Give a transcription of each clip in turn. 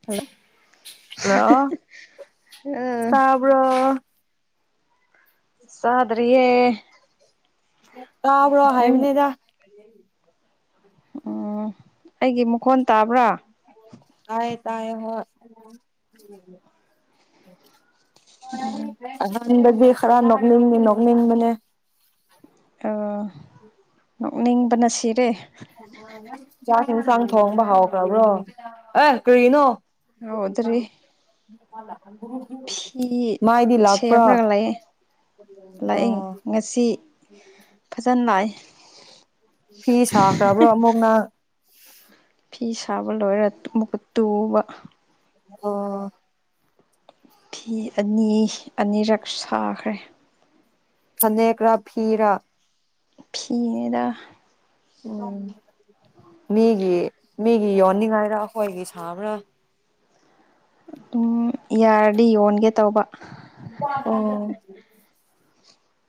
[unintelligible] ꯄꯨ꯭ꯔꯣ꯫ ꯆꯥꯗ꯭ꯔꯤꯑꯦ ꯇꯥꯕ꯭ꯔꯣ ꯅꯪ ꯍꯥꯏꯕꯅꯤꯗ ꯑꫭ ꯑꯩꯒꯤ ꯃꯈꯣꯟ ꯇꯥꯕ꯭ꯔꯥ ꯇꯥꯏꯌꯦ ꯇꯥꯏꯌꯦ ꯍꯣꯏ꯫ [inaudible] ꯑꯍꯥꯟꯕꯗꯗꯤ ꯈꯔ ꯅꯣꯛꯅꯤꯡꯗꯤ ꯅꯣꯛꯅꯤꯡꯕꯅꯦ꯫ ꯑꯥ꯫ [inaudible] ꯅꯣꯛꯅꯤꯡꯕꯅ ꯁꯤꯔꯦ꯫ ꯆꯥꯛ ꯏꯟꯁꯥꯡ ꯊꯣꯡꯕ ꯍꯥꯎꯈ꯭ꯔꯕ꯭ꯔꯣ ꯑꯦ ꯀꯔꯤꯅꯣ꯫ ꯉꯧꯗ꯭ꯔꯤ꯫ [unintelligible] ꯐꯤ ꯃꯥꯏꯗꯤ ꯂꯥꯛꯄ꯭ꯔꯥ ꯁꯦꯝꯔꯒ ꯂꯩꯌꯦ ꯂꯥꯛꯏ ꯑꯣ ꯉ ꯁꯤ ꯐꯖꯅ ꯂꯥꯛꯏ꯫ ꯐꯤ ꯁꯥꯈ꯭ꯔꯕ꯭ꯔꯣ ꯑꯃꯨꯛ ꯅꯪ꯫ ꯐꯤ ꯁꯥꯕ ꯂꯣꯏꯔꯒ ꯇꯨ ꯑꯃꯨꯛꯀ ꯇꯨꯕ꯫ ꯑꯣ ꯐꯤ ꯑꯅꯤ ꯑꯅꯤꯔꯛ ꯁꯥꯈ꯭ꯔꯦ ꯐꯅꯦꯛꯔꯥ ꯐꯤꯔꯥ ꯐꯅꯦꯗ ꯎꯝ ꯃꯤꯒꯤ ꯃꯤꯒꯤ ꯌꯣꯟꯅꯤꯡꯉꯥꯏꯔ ꯑꯩꯈꯣꯏꯒꯤ ꯁꯥꯕ꯭ꯔꯥ ꯎꯝ ꯌꯥꯔꯗꯤ ꯌꯣꯟꯒꯦ ꯇꯧꯕ ꯎꯝ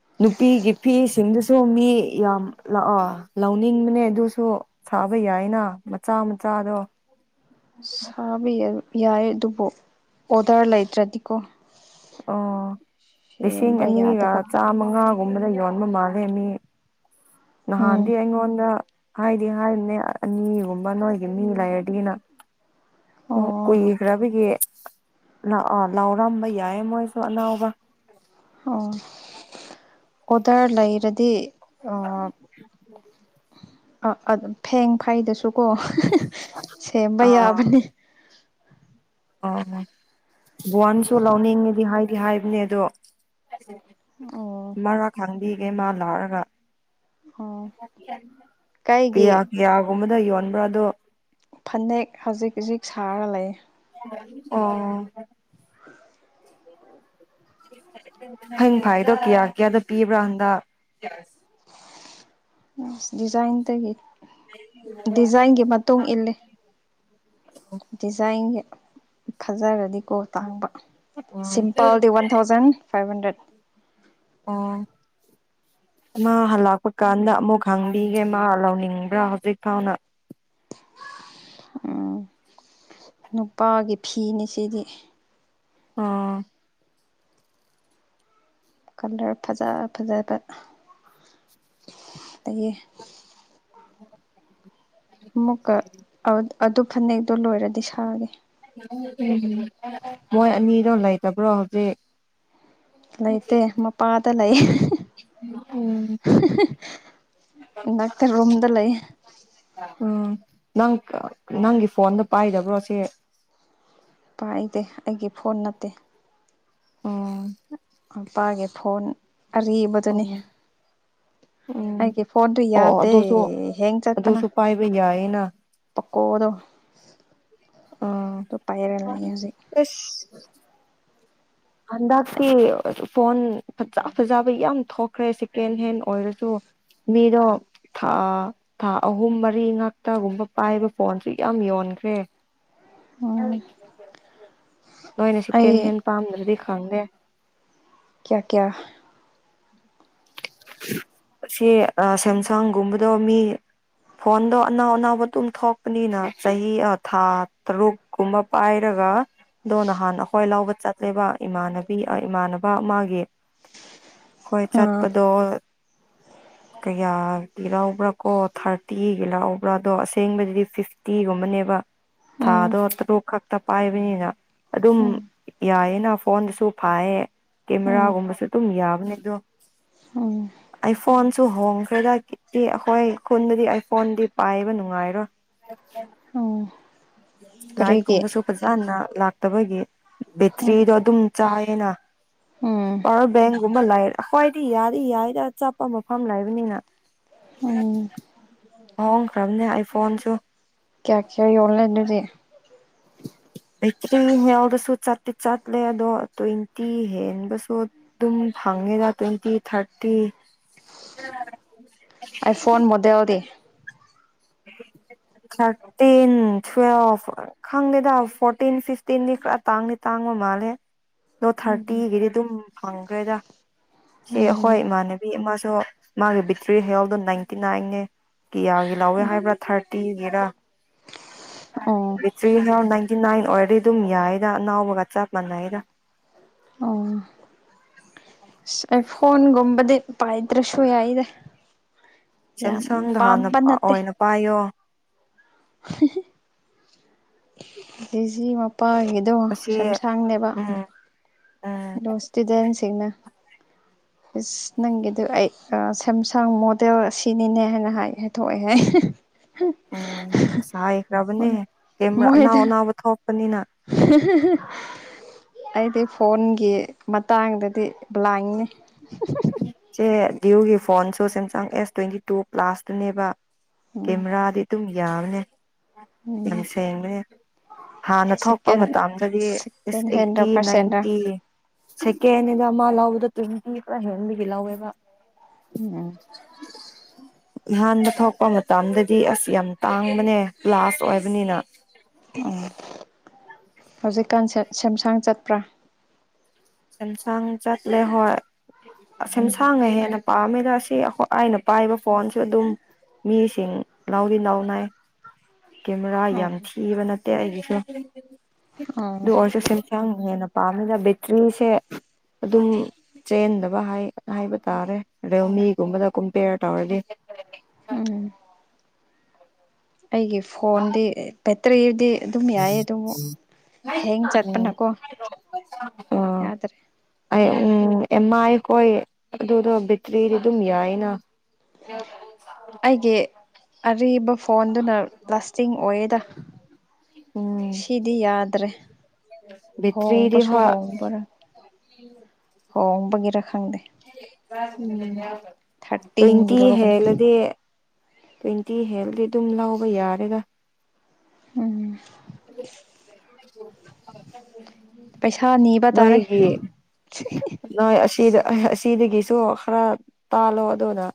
ꯎ ꯅꯨꯄꯤꯒꯤ ꯐꯤꯁꯤꯡꯗꯨꯁꯨ ꯃꯤ ꯌꯥꯝ ꯂꯥꯛꯑꯣ ꯂꯧꯅꯤꯡꯕꯅꯦ ꯑꯗꯨꯁꯨ ꯁꯥꯕ ꯌꯥꯏꯅ ꯃꯆꯥ ꯃꯆꯥꯗꯣ ꯁꯥ ꯌꯥꯏ ꯑꯗꯨꯕꯨ ꯑꯣꯗꯔ ꯂꯩꯇ꯭ꯔꯗꯤꯀꯣ ꯑꯣ ꯂꯤꯁꯤꯡ ꯁꯦꯝꯕ ꯑꯅꯤꯒ ꯌꯥꯗꯕ ꯆꯥꯃꯉꯥꯒꯨꯝꯕꯗ ꯌꯣꯟꯕ ꯃꯥꯜꯂꯦ ꯃꯤ ꯎꯝ ꯅꯍꯥꯟꯗꯤ ꯑꯩꯉꯣꯟꯗ ꯍꯥꯏꯗꯤ ꯍꯥꯏꯕꯅꯦ ꯑꯅꯤꯒꯨꯝꯕ ꯅꯣꯏꯒꯤ ꯃꯤ ꯂꯩꯔꯗꯤꯅ ꯑꯣ ꯀꯨꯏꯈ꯭ꯔꯕꯒꯤ ꯂ ꯂꯥꯎꯔꯝꯕ ꯌꯥꯏ ꯃꯣꯏꯁꯨ ꯑꯅꯥꯎꯕ ꯑꯣ ꯑꯣꯗꯔ ꯂꯩꯔꯗꯤ [unintelligible] ꯑ ꯑꯗꯨ ꯐꯦꯡ ꯐꯩꯗꯁꯨꯀꯣ ꯁꯦꯝꯕ ꯌꯥꯕꯅꯤ ꯑ ꯕꯋꯥꯟꯁꯨ ꯂꯧꯅꯤꯡꯉꯦꯗꯤ ꯍꯥꯏꯗꯤ ꯍꯥꯏꯕꯅꯦ ꯑꯗꯣ ꯑꯣ ꯃꯔꯥ ꯈꯥꯡꯕꯤꯒꯦ ꯃꯥ ꯂꯥꯎꯔꯒ ꯑꯣ ꯀꯩꯒꯤ ꯀꯌꯥ ꯀꯤꯌꯥꯒꯨꯝꯕꯗ ꯌꯣꯟꯕ꯭ꯔꯥ ꯑꯗꯣ ꯐꯅꯦꯛ ꯍꯧꯖꯤꯛ ꯍꯧꯖꯤꯛ ꯁꯥꯔ ꯂꯩ ꯑꯣ ꯍꯌꯦꯡ ꯐꯥꯏꯗꯣ ꯀꯌꯥ ꯀꯌꯥꯗꯣ ꯄꯤꯕ꯭ꯔꯥ ꯍꯟꯗꯛ ꯗꯤꯖꯥꯏꯟ ꯇꯒꯤ ꯗꯤꯖꯥꯏꯟꯒꯤ ꯃꯇꯨꯡ ꯏꯜꯂꯤ ꯗꯤꯖꯥꯏꯟꯒꯤ ꯐꯖꯔꯗꯤꯀꯣ ꯇꯥꯡꯕ ꯑꯣ ꯁꯤꯝꯄꯜꯗꯤ one two thousand five hundred ꯑꯣ ꯃꯥ ꯍꯜꯂꯛꯄ ꯀꯥꯟꯗ ꯑꯃꯨꯛ ꯍꯪꯕꯤꯒꯦ ꯃꯥ ꯂꯧꯅꯤꯡꯕ꯭ꯔꯥ ꯍꯧꯖꯤꯛ ꯐꯥꯎꯅ ꯎꯝ ꯅꯨꯄꯥꯒꯤ ꯐꯤꯅꯤ ꯁꯤꯗꯤ ꯑꯣ ꯀꯂꯔ ꯐꯖ ꯐꯖꯕ ꯑꯗꯒꯤ ꯑꯃꯨꯛꯀ ꯑꯗꯨ ꯐꯅꯦꯛꯇꯣ ꯂꯣꯏꯔꯗꯤ ꯁꯥꯒꯦ ꯎꯝ ꯃꯣꯏ ꯑꯅꯤꯔꯣ ꯂꯩꯇꯕ꯭ꯔꯣ ꯍꯧꯖꯤꯛ ꯂꯩꯇꯦ ꯃꯄꯥꯗ ꯂꯩ ꯗꯛꯇ ꯔꯨꯝꯝꯗ ꯂꯩ ꯎꯝ ꯅꯪ ꯅꯪꯒꯤ ꯐꯣꯟꯗ ꯄꯥꯏꯗꯕ꯭ꯔꯣ ꯁꯤꯦ ꯄꯥꯏꯗꯦ ꯑꯩꯒꯤ ꯐꯣꯟ ꯅꯠꯇꯦ ꯑꯣ ꯃꯄꯥꯒꯤ ꯐꯣꯟ ꯑꯔꯤꯕꯗꯨꯅꯤ ꯎꯝ ꯑꯩꯒꯤ ꯐꯣꯟꯗꯨ ꯑꯣ ꯑꯣ ꯌꯥꯗꯦ ꯑꯗꯨꯁꯨ ꯍꯦꯡ ꯆꯠꯄꯅ ꯑꯗꯨꯁꯨ ꯄꯥꯏꯕ ꯌꯥꯏꯌꯦꯅ ꯄꯀꯣ ꯑꯣꯗꯣ ꯑꯥ ꯇ ꯄꯥꯏꯔ ꯂꯩꯁꯤ ꯑꯁ ꯍꯟꯗꯛꯇꯤ ꯐꯣꯟ ꯐꯖ ꯐꯖꯕ ꯌꯥꯝ ꯊꯣꯛꯈ꯭ꯔꯦ ꯁꯦꯀꯦꯟ ꯍꯦꯟ ꯑꯣꯏꯔꯁꯨ ꯃꯤꯔꯣ ꯊꯥ ꯊꯥ ꯑꯍꯨꯝ ꯃꯔꯤ ꯉꯥꯛꯇꯒꯨꯝꯕ ꯄꯥꯏꯕ ꯐꯣꯟꯁꯨ ꯌꯥꯝ ꯌꯣꯟꯈ꯭ꯔꯦ ꯎꯝ ꯅꯣꯏꯅ ꯑꯩ ꯆꯀꯦꯟ ꯍꯦꯟ ꯄꯥꯝꯗ꯭ꯔꯗꯤ ꯈꯪꯗꯦ ꯀꯌꯥ ꯀꯌꯥ ꯁꯤ ꯁꯦꯝꯁꯥꯡꯒꯨꯝꯕꯗꯣ ꯃꯤ ꯐꯣꯟꯗꯣ ꯑꯅꯥꯎ ꯑꯅꯥꯎꯕ ꯑꯗꯨꯝ ꯊꯣꯛꯄꯅꯤꯅ ꯆꯍꯤ ꯊꯥ ꯇꯔꯨꯛ ꯀꯨꯝꯕ ꯄꯥꯏꯔꯒ ꯑꯗꯣ ꯅꯍꯥꯟ ꯑꯩꯈ꯭ꯋꯥ ꯂꯥꯎꯕ ꯆꯠꯂꯦꯕ ꯏꯃꯥꯟꯅꯕꯤ ꯏꯃꯥꯟꯅꯕ ꯃꯥꯒꯤ ꯍꯣꯏ ꯑꯥ ꯆꯠꯄꯗꯣ ꯀꯌꯥꯒꯤ ꯂꯕ꯭ꯔꯥ ꯀꯣ ꯊꯥꯔꯇꯤꯒꯤ ꯂꯎꯕ꯭ꯔꯥ ꯑꯗꯣ ꯑꯁꯦꯡꯕꯗꯨꯗꯤ ꯐꯤꯐꯇꯤꯒꯨꯝꯕꯅꯦꯕ ꯎꯝ ꯊꯥꯗꯣ ꯇꯔꯨꯛ ꯈꯛꯇ ꯄꯥꯏꯕꯅꯤꯅ ꯑꯗꯨꯝ ꯎꯝ ꯌꯥꯏꯌꯦꯅ ꯐꯣꯟꯗꯁꯨ ꯐꯥꯏꯌꯦ ꯎꯝ ꯀꯦꯃꯦꯔꯥꯒꯨꯝꯕꯁꯨ ꯑꯗꯨꯝ ꯌꯥꯕꯅꯦ ꯑꯗꯣ ꯑꯣ ꯐꯣꯟꯁꯨ ꯍꯣꯡꯈ꯭ꯔꯦꯗ ꯑꯩꯈꯣꯏ ꯈꯨꯟꯕꯨꯗꯤ ꯑꯩ ꯐꯣꯟꯗꯤ ꯄꯥꯏꯕ ꯅꯨꯡꯉꯥꯏꯔꯣꯏ ꯍ ꯎꯝ ꯂꯥꯏꯠ ꯀꯔꯤꯒꯤ ꯀꯨꯝꯕꯁꯨ ꯐꯖꯅ ꯂꯥꯛꯇꯕꯒꯤ ꯎꯝ ꯕꯦꯇ꯭ꯔꯤꯗꯣ ꯑꯗꯨꯝ ꯆꯥꯏꯌꯦꯅ ꯎꯝ ꯄꯋꯥꯔ ꯕꯦꯡꯒꯨꯝꯕ ꯂꯩ ꯑꯩꯣꯏꯗꯤ ꯌꯥꯗꯤ ꯌꯥꯏꯗ ꯃꯐꯝ ꯂꯩꯕꯅꯤꯅ ꯎꯝ ꯍꯣꯡꯈ꯭ꯔꯕꯅꯦ ꯑꯩ ꯐꯣꯟꯁꯨ ꯀꯌꯥ ꯀꯌꯥ ꯑꯣꯟꯂꯥꯏꯩꯅꯗꯤ ꯚꯦꯛꯇ꯭ꯔꯤ ꯌꯥꯎꯗꯁꯨ ꯆꯠꯇꯤ ꯆꯠꯂꯦ ꯑꯗꯣ ꯇ꯭ꯋꯦꯟꯇꯤ ꯍꯦꯟꯕꯁꯨ ꯑꯗꯨꯝ ꯐꯪꯉꯦꯗ ꯇ꯭ꯋꯦꯟꯇꯤ ꯊꯥꯔꯇꯤ ꯑꯥꯏ ꯐꯣꯟ ꯃꯗꯗ ꯊꯥꯔꯇꯤꯟ ꯇꯨꯋꯦꯜꯚ ꯈꯪꯗꯦꯗ ꯐꯣꯔꯇꯤꯟ ꯐꯤꯐꯇꯤꯟꯗꯤ ꯈꯔ ꯇꯥꯡꯗꯦ ꯇꯥꯡꯕ ꯃꯥꯜꯂꯦ ꯅꯣ ꯎꯝ ꯊꯥꯔꯇꯤꯒꯤꯗꯤ ꯑꯗꯨꯝ ꯐꯪꯈ꯭ꯔꯦꯗ ꯁꯤ ꯎꯝ ꯑꯩꯈꯣꯏ ꯏꯃꯥꯟꯅꯕꯤ ꯃꯥꯁꯨ ꯃꯥꯒꯤ ꯕꯦꯇ꯭ꯔꯤ ꯍꯦꯜꯦꯜꯗꯣ ꯅꯥꯏꯟꯇꯤ ꯅꯥꯏꯟꯅꯦ ꯀꯤꯌꯥꯒꯦ ꯂꯧꯋꯦ ꯎꯝ ꯍꯥꯏꯕ꯭ꯔꯥ ꯊꯥꯔꯇꯤꯒꯤꯔ ꯑꯣ ꯕꯦꯇ꯭ꯔꯤ ꯍ ꯅꯥꯏꯟꯇꯤ ꯅꯥꯏꯟ ꯑꯣꯏꯔꯗꯤ ꯑꯗꯨꯝ ꯌꯥꯏꯗ ꯑꯅꯥꯎꯕꯒ ꯆꯞ ꯃꯥꯟꯅꯩꯗ ꯑꯣ ꯑꯁ ꯐꯣꯟꯒꯨꯝꯕꯗꯤ ꯄꯥꯏꯗ꯭ꯔꯁꯨ ꯌꯥꯏꯗ ꯌꯥꯝ ꯄꯥꯝꯕ ꯅꯠꯇꯦ ꯄꯌꯣ ꯍ ꯖꯤ ꯃꯄꯥ ꯑꯣꯏꯒꯤꯗꯣ ꯑꯁꯤ ꯁꯦꯝꯁꯥꯡꯅꯦꯕ ꯎꯝ ꯎꯝ ꯔꯣꯁꯇꯤꯗꯦꯟꯁꯤꯡꯅ ꯏꯁꯁ ꯅꯪꯒꯤꯗ ꯑꯩ ꯁꯦꯝꯁꯥꯡ ꯃꯣꯗꯦꯜ ꯑꯁꯤꯅꯤꯅꯦ ꯍꯥꯏꯅ ꯍꯥꯏꯊꯣꯛꯑꯦ ꯍꯥꯏ ꯎꯝ ꯆꯥꯏꯈ꯭ꯔꯕꯅꯦ ꯍꯣꯏ ꯀꯃꯦꯥ ꯑꯅꯥꯎ ꯃꯣꯏꯗ ꯑꯅꯥꯎꯕ ꯊꯣꯛꯄꯅꯤꯅ [unintelligible] ꯑꯩꯗꯤ ꯐꯣꯟꯒꯤ ꯃꯇꯥꯡꯗꯗꯤ ꯂ ꯂꯥꯡꯅꯤ ꯁꯦ ꯚꯤꯌꯨꯒꯤ ꯐꯣꯟꯁꯨ ꯁꯦꯝꯁꯪ ꯑꯦꯁ ꯇ꯭ꯋꯦꯟꯇꯤ ꯇꯨ ꯀ꯭ꯂꯥꯁꯇꯨꯅꯦꯕ ꯎꯝ ꯀꯦꯃꯦꯔꯥꯗꯤ ꯑꯗꯨꯝ ꯌꯥꯕꯅꯦ ꯌꯥꯝ ꯎꯝ ꯁꯦꯡꯕꯅꯦ ꯍꯥꯟꯅ ꯊꯣꯛꯄ ꯁꯦꯀꯦꯟ ꯃꯇꯝꯗꯗꯤ ꯏꯁ ꯁꯦꯀꯦꯟ ꯍꯦꯟꯔ ꯑꯩꯠꯇꯤ ꯐꯥꯔꯁ ꯍꯦꯟꯔ ꯅꯥꯏꯟꯇꯤ ꯁꯦꯀꯦꯟꯗ ꯑꯃ ꯂꯕꯗ ꯇ꯭ꯋꯦꯟꯇꯤ ꯈꯔ ꯍꯦꯟꯕꯒꯤ ꯂꯧꯥꯎꯋꯦꯕ ꯎꯝ ꯏꯍꯥꯟꯕ ꯊꯣꯛꯄ ꯃꯇꯝꯗꯗꯤ ꯑꯁ ꯌꯥꯝ ꯇꯥꯡꯕꯅꯦ ꯂꯥꯁ ꯑꯣꯏꯕꯅꯤꯅ ꯎꯝ ꯍꯧꯖꯤꯛꯀꯥꯟ ꯁꯦꯝꯁꯥꯡ ꯆꯠꯄ꯭ꯔꯥ ꯁꯦꯝꯁꯥꯡ ꯆꯠꯂꯦ ꯍꯣꯏ ꯁꯦꯝꯁꯥꯡꯦ ꯍꯦꯟꯅ ꯄꯥꯝꯃꯦꯅ ꯁꯤ ꯑꯩꯈꯣꯏ ꯑꯩꯅ ꯄꯥꯏꯕ ꯐꯣꯟꯁꯨ ꯑꯗꯨꯝ ꯃꯤꯁꯤꯡ ꯂꯅꯥꯔꯤ ꯂꯅꯥꯎꯅꯥꯏ ꯀꯦꯃꯦꯔꯥ ꯌꯥꯝ ꯎꯝ ꯊꯤꯕ ꯅꯠꯇꯦ ꯑꯩꯒꯤꯁꯨ ꯎꯝ ꯑꯗꯨ ꯑꯣꯏꯔꯁꯨ ꯌꯥꯝ ꯍꯦꯟꯅ ꯄꯥꯝꯃꯤꯅ ꯕꯦꯇ꯭ꯔꯤꯁꯦ ꯑꯗꯨꯝ ꯆꯦꯟꯗꯕ ꯍꯥꯏꯕ ꯇꯥꯔꯦ ꯑꯗꯣ ꯃꯤꯒꯨꯝꯕꯗ ꯀꯝꯄꯦꯌꯔ ꯇꯧꯔꯗꯤ ꯎꯝ ꯑꯩꯒꯤꯦ ꯐꯣꯟꯗꯤ ꯕꯦꯇ꯭ꯔꯤꯗꯤ ꯑꯗꯨꯝ ꯌꯥꯏꯌꯦ ꯑꯗꯨꯕꯨ ꯍꯦꯡ ꯆꯠꯄꯅꯀꯣ ꯑ ꯌꯥꯗ꯭ꯔꯦ ꯎꯝ ꯑꯦꯝꯃꯥꯏꯈꯣꯏ ꯑꯗꯨꯗꯣ ꯕꯦꯇ꯭ꯔꯤꯗꯤ ꯑꯗꯨꯝ ꯌꯥꯏꯅ ꯍ ꯑꯩꯒꯤ ꯑꯔꯤꯕ ꯐꯣꯟꯗꯨꯅ ꯂꯥꯁꯇꯤꯡ ꯑꯣꯏꯌꯦꯗ ꯎꯝ ꯁꯤꯗꯤ ꯌꯥꯗ꯭ꯔꯦ ꯕꯦꯇ꯭ꯔꯤꯗꯤ ꯍꯣꯡꯕꯁꯨ ꯍꯣꯏ ꯍꯣꯡꯕꯔꯥ ꯍꯣꯡꯕꯒꯤꯔ ꯈꯪꯗꯦ ꯇ ꯊꯥꯔꯇꯤꯟꯒꯤ ꯏꯇꯤ ꯍꯦ ꯂꯧꯕꯅꯤ ꯂꯗꯤꯦ ꯇ꯭ꯋꯦꯟꯇꯤ ꯍꯦꯜꯗꯤ ꯑꯗꯨꯝ ꯂꯥꯎꯕ ꯌꯥꯔꯦꯒ ꯎꯝ ꯄꯩꯁꯥ ꯅꯤꯕ ꯇꯥꯔꯦ ꯅꯣꯏꯒꯤ ꯅꯣꯏ ꯑꯁꯤꯗ ꯑꯁꯤꯗꯒꯤꯁꯨ ꯈꯔ ꯇꯥꯜꯂꯣ ꯑꯗꯨꯅ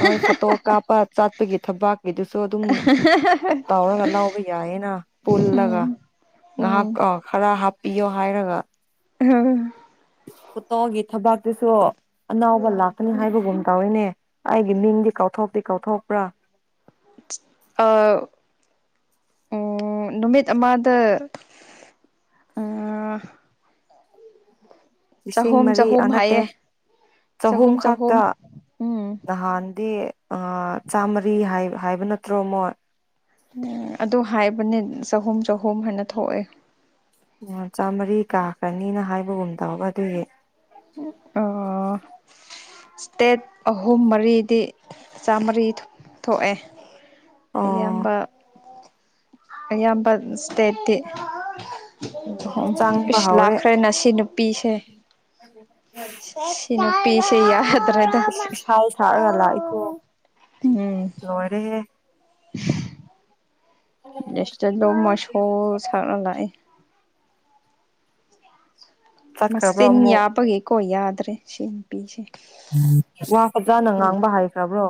ꯅꯣꯏ ꯐꯣꯇꯣ ꯀꯥꯞꯄ ꯆꯥꯠꯄꯒꯤ ꯊꯕꯛ ꯒꯤꯗꯨꯁꯨ ꯑꯗꯨꯝ ꯇꯥꯎꯔꯒ ꯂꯥꯎꯕ ꯌꯥꯏꯌꯦꯅ ꯄꯨꯜꯂꯒ ꯎꯝ ꯉꯍꯥꯛ ꯈꯔ ꯍꯥꯞꯄꯤꯌꯣ ꯍꯥꯏꯔꯒ ꯑ ꯐꯣꯠꯇꯣꯒꯤ ꯊꯕꯇꯨꯁꯨ ꯑꯅꯥꯎꯕ ꯂꯥꯛꯀꯅꯤ ꯍꯥꯏꯕꯒꯨꯝ ꯇꯧꯔꯤꯅꯦ ꯑꯩꯒꯤ ꯃꯤꯡꯗꯤ ꯀꯥꯎꯊꯣꯛꯇꯤ ꯀꯥꯎꯊꯣꯛꯄ꯭ꯔꯥ ꯑ ꯎꯝ ꯅꯨꯃꯤꯠ ꯑꯃꯗ ꯑꯥ ꯂꯤꯁꯤꯡ ꯆꯍꯨꯝ ꯃꯔꯤ ꯆꯍꯨꯝ ꯑꯣꯠꯇꯦ ꯍꯥꯏꯌꯦ ꯆꯍꯨꯝ ꯈꯥꯛꯛꯇ ꯎꯝ ꯅꯍꯥꯟꯗꯤ ꯆꯥꯃꯔꯤ ꯍꯥꯏꯕ ꯅꯠꯇ꯭ꯔꯣ ꯃꯣ ꯎꯝ ꯑꯗ ꯍꯥꯏꯕꯅꯦ ꯆꯍꯨꯝ ꯆꯍꯨꯝ ꯍꯥꯏꯅ ꯊꯣꯛꯑꯦ ꯑꯣ ꯆꯥꯝꯃꯔꯤ ꯀꯥꯈ꯭ꯔꯅꯤꯅ ꯍꯥꯏꯕꯒꯨꯝ ꯇꯧꯔꯒ ꯑꯗꯨꯏꯒꯤ ꯏꯁꯇꯦꯠ ꯑꯍꯨꯝ ꯃꯔꯤꯗꯤ ꯆꯥꯝꯃꯔꯤ ꯊꯣꯛꯑꯦ ꯑꯣ ꯑꯌꯥꯝꯕ ꯑꯌꯥꯝꯕ ꯏꯁꯇꯦꯠꯇꯤ ꯎꯝ ꯆꯪꯕ ꯏꯁꯁ ꯍꯧꯔꯦ ꯂꯥꯛꯈ꯭ꯔꯦꯅꯁꯤ ꯅꯨꯄꯤꯁꯦ ꯁꯤꯅꯤꯄꯤꯁ ꯑꯗꯨꯗ꯭ꯔ ꯏꯁꯥ ꯁꯛꯔꯒ ꯂꯥꯛꯏꯈꯣ ꯂꯣꯏꯔꯦꯍꯦ ꯁꯇꯗꯣ ꯃꯥꯏꯁꯨꯣ ꯁꯥꯟꯅꯥ ꯂꯥꯛꯑꯦ ꯆꯠꯈ꯭ꯔꯕ꯭ꯔꯣ ꯃꯆꯤꯟ ꯑꯃꯨꯛ ꯌꯥꯕꯒꯤꯀꯣ ꯌꯥꯗ꯭ꯔꯦ ꯁꯤ ꯅꯨꯄꯤꯁꯦ ꯎ ꯋꯥ ꯐꯖꯥꯅ ꯉꯥꯡꯕ ꯍꯥꯏꯈ꯭ꯔꯕ꯭ꯔꯣ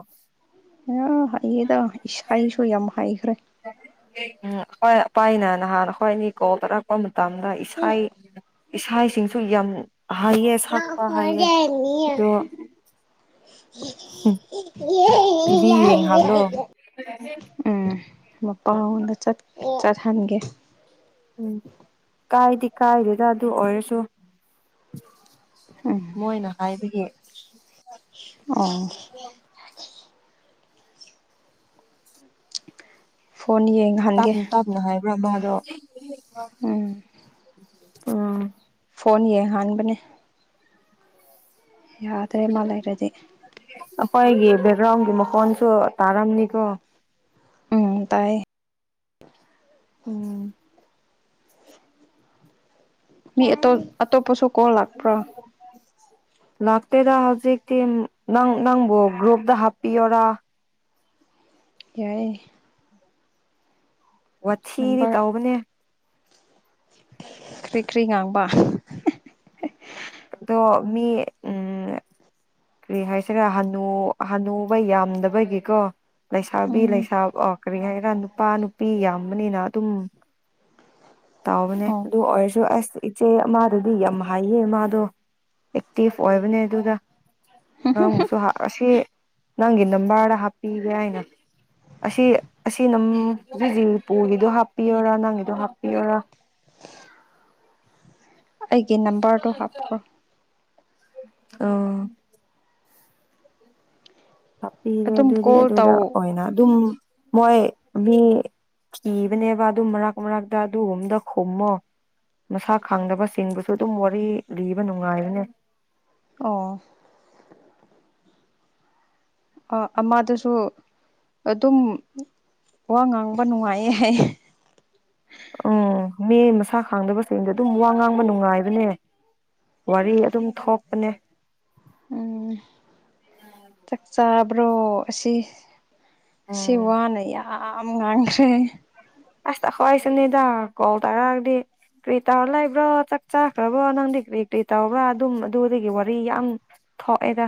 ꯑ ꯍꯥꯏꯌꯦꯗ ꯏꯁꯥꯁꯨ ꯌꯥꯝ ꯍꯈ꯭ꯔꯦ ꯎꯝ ꯑꯩꯈꯣꯏ ꯑꯄꯅ ꯅꯍꯥꯟ ꯑꯩꯈꯣꯏ ꯑꯅꯤ ꯀꯣꯜ ꯇꯥꯔꯛꯄ ꯃꯇꯝꯗ ꯏꯁꯥ ꯏꯁꯥꯁꯤꯡꯁꯨ ꯌꯥꯝ ꯍꯥꯏꯌꯦ ꯁꯛꯄ ꯍꯥꯏꯑ ꯑꯗꯣ ꯌꯦ ꯇꯤꯚꯤ ꯌꯦꯡꯍꯜꯂꯣ ꯌꯥꯔ ꯎꯝ ꯃꯄꯥꯡꯗ ꯆꯠꯍꯟꯒꯦ ꯎꯝ ꯀꯥꯏꯗꯤ ꯀꯥꯏꯗꯗ ꯑꯗꯨ ꯑꯣꯏꯔꯁꯨ ꯃꯣꯏꯅ ꯍꯥꯏꯕꯒꯤ ꯑ ꯐꯣꯟ ꯌꯦꯡ ꯇꯞꯅ ꯇꯞꯅꯍꯣꯏ ꯄꯨ ꯗ ꯎꯝ ꯐꯣꯟ ꯌꯦꯡꯍꯟꯥꯟꯕꯅꯦ ꯌꯥꯗ꯭ꯔꯦ ꯃꯥ ꯂꯩꯔꯗꯤ ꯑꯩꯈꯣꯏꯒꯤ ꯕꯦꯛꯒ꯭ꯔꯥꯎꯟꯒꯤ ꯃꯈꯣꯟꯁꯨ ꯇꯥꯔꯝꯅꯤꯀꯣ ꯎꯝ ꯇꯥꯏꯌꯦ ꯎꯝ ꯃꯤ ꯑꯇꯣꯟ ꯑꯇꯣꯞꯄꯁꯨꯛ ꯑ [inaudible] ꯂꯥꯛꯇꯦꯗ ꯍꯧꯖꯤꯛꯇꯤ ꯅꯪ ꯅꯪꯕꯨ ꯒ꯭ꯔꯨꯞꯗ ꯍꯥꯞꯄꯤꯌꯣꯔꯥ ꯌꯥꯏꯌꯦ ꯋꯥꯊꯤꯗꯤ ꯅꯝꯕꯔ ꯇꯧꯕꯅꯦ ꯎ ꯀ꯭ꯔꯤ [inaudible] ꯀ꯭ꯔꯤ ꯉꯥꯡꯕ ꯑꯗꯣ ꯃꯤ ꯎꯝ ꯀꯔꯤ ꯍꯥꯏꯁꯤꯔ ꯍꯅꯨ ꯍꯅꯨꯕ ꯌꯥꯝꯗꯕꯒꯤꯀꯣ ꯂꯩꯁꯥꯕꯤ ꯎꯝ ꯂꯩꯁꯥ ꯑꯣ ꯀꯔꯤ ꯍꯥꯏꯒꯦꯔꯥ ꯅꯨꯄꯥ ꯅꯨꯄꯤ ꯌꯥꯝꯕꯅꯤꯅ ꯑꯗꯨꯝ ꯇꯥꯎꯕꯅꯦ ꯑꯣ ꯑꯗꯨ ꯑꯣꯏꯔꯁꯨ ꯑꯁ ꯏꯆꯦ ꯑꯃꯗꯗꯤ ꯌꯥꯝ ꯍꯥꯏꯌꯦ ꯃꯥꯗꯣ ꯑꯦꯛꯇꯤꯚ ꯑꯣꯏꯕꯅꯦ ꯑꯗꯨꯒ ꯅꯪꯕꯨꯁꯨ ꯍꯥ ꯑꯁꯤ ꯅꯪꯒꯤ ꯅꯝꯕꯔꯗ ꯍꯥꯞꯄꯤꯒꯦ ꯍꯥꯏꯅ ꯑꯁꯤ ꯑꯁꯤ ꯅꯝ ꯍꯧꯖꯤꯍꯧꯖꯤꯄꯨꯒꯤꯗꯣ ꯍꯥꯞꯄꯤꯌꯣꯔꯥ ꯅꯪꯒꯤꯗꯣ ꯍꯥꯞꯄꯤꯌꯣꯔꯥ ꯑꯩꯒꯤ ꯅꯝꯕ꯭ꯔꯗꯣ ꯍꯥꯞꯈ꯭ꯔꯣ ꯑꯣ ꯄꯤꯔꯦ ꯑꯗꯨꯝ ꯑꯗꯨꯗꯤ ꯀꯣꯜ ꯑꯗꯨꯒ ꯇꯧ ꯑꯣꯏꯅ ꯑꯗꯨꯝ ꯃꯣꯏ ꯃꯤ ꯈꯤꯕꯅꯦꯕ ꯑꯗꯨ ꯃꯔꯛ ꯃꯔꯛꯇ ꯑꯗꯨꯒꯨꯝꯕꯗꯣ ꯈꯨꯝꯃꯣ ꯃꯁꯛ ꯈꯪꯗꯕꯁꯤꯡꯗꯨꯁꯨ ꯑꯗꯨꯝ ꯋꯥꯔꯤ ꯂꯤꯕ ꯅꯨꯡꯉꯥꯏꯕꯅꯦ ꯑꯣ ꯑ ꯑꯃꯗꯨꯁꯨ ꯑꯗꯨꯝ ꯋꯥ ꯉꯥꯡꯕ ꯅꯨꯡꯉꯥꯏꯌꯦ ꯍꯥꯏꯌꯦ ꯑꯣ ꯃꯤ ꯃꯁꯥ ꯈꯡꯗꯕꯁꯤꯡꯗꯣ ꯑꯗꯨꯝ ꯋꯥ ꯉꯥꯡꯕ ꯅꯨꯡꯉꯥꯏꯕꯅꯦ ꯋꯥꯔꯤ ꯑꯗꯨꯝ ꯊꯣꯛꯄꯅꯦ ꯎꯝ ꯆꯥꯛ ꯆꯥꯔꯕ꯭ꯔꯣ ꯑꯁꯤ ꯉꯁꯤ ꯎꯝ ꯋꯥ ꯃꯌꯥꯝ ꯉꯥꯡꯈ꯭ꯔꯦ ꯑꯁ ꯑꯩꯈꯣꯏꯁꯨꯅꯤꯗꯥ ꯀꯣꯜ ꯇꯧꯔꯛꯑꯒꯗꯤ ꯀꯔꯤ ꯇꯧꯔ ꯂꯩꯕ꯭ꯔꯣ ꯆꯥꯛ ꯆꯥꯈ꯭ꯔꯕꯣ ꯅꯪꯗꯤ ꯀꯔꯤ ꯀꯔꯤ ꯇꯧꯕ꯭ꯔꯥ ꯑꯗꯨꯝ ꯑꯗꯨꯗꯒꯤ ꯋꯥꯔꯤ ꯌꯥꯝ ꯊꯣꯛꯑꯦꯗ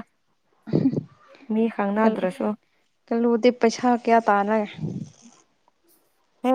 ꯃꯤ ꯈꯪꯅꯗ꯭ꯔꯁꯨ ꯀꯜꯂꯨꯗꯤ ꯄꯩꯁꯥ ꯀꯌꯥ ꯇꯥꯔꯦ ꯍꯦ